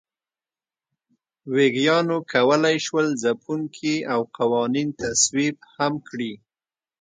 ویګیانو کولای شول ځپونکي او قوانین تصویب هم کړي.